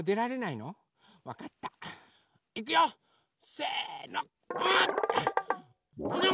いくよ。